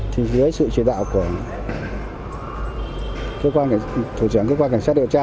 thì dưới sự chỉ đạo của thủ trưởng cơ quan cảnh sát điều tra